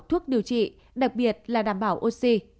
thuốc điều trị đặc biệt là đảm bảo oxy